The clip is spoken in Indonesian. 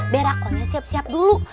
biar aku aja siap siap dulu